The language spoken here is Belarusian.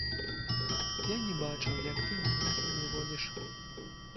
Я не бачу, як ты мяне з ім зводзіш?